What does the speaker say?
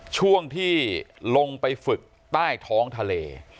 ช่วงที่ลงไปฝึกใต้ท้องทะเล